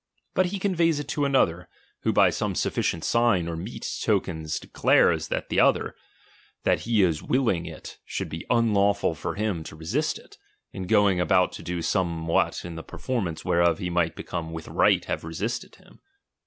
But he conveys it to another, who by some sufficient sign or meet tokens declares to that other, that he is willing it should be unlawful for him to resist him, in going about to do some what in the performance whereof he might before wi(A right have resisted him.